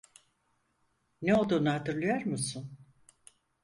Ne olduğunu hatırlıyor musun?